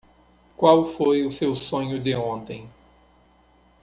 Qual foi o seu sonho de ontem?